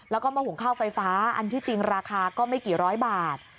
แล้วก็หม้อหุงข้าวไฟฟ้าอันที่จริงราคาก็ไม่กี่ร้อยบาท